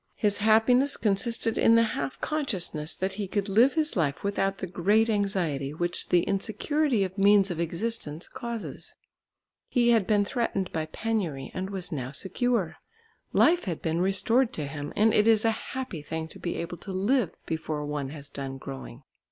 His happiness consisted in the half consciousness that he could live his life without the great anxiety which the insecurity of means of existence causes. He had been threatened by penury and was now secure; life had been restored to him, and it is a happy thing to be able to live before one has done growing.